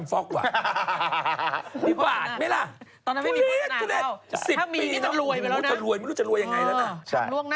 มีบาทมั้ยล่ะสิบปีนี้มันรวยไปแล้วนะไม่รู้จะรวยยังไงแล้วนะ